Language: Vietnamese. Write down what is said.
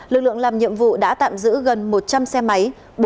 lực lượng làm nhiệm vụ đã tạm giữ gần một trăm linh xe máy